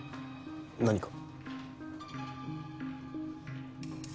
何か？